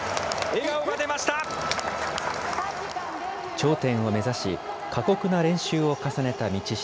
頂点を目指し、過酷な練習を重ねた道下。